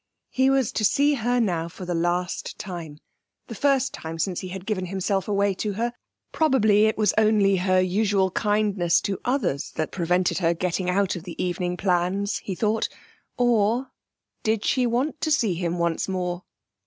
He was to see her now for the last time the first time since he had given himself away to her. Probably it was only her usual kindness to others that prevented her getting out of the evening plans, he thought. Or did she want to see him once more?